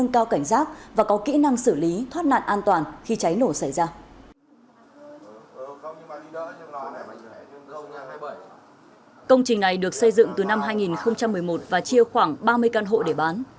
công trình này được xây dựng từ năm hai nghìn một mươi một và chia khoảng ba mươi căn hộ để bán